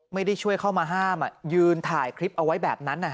ไม่ได้ช่วยเข้ามาห้ามยืนถ่ายคลิปเอาไว้แบบนั้น